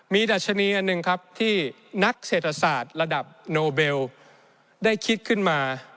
ดัชนีอันหนึ่งครับที่นักเศรษฐศาสตร์ระดับโนเบลได้คิดขึ้นมา